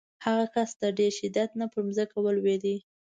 هغه کس د ډېر شدت نه په ځمکه ولویېد.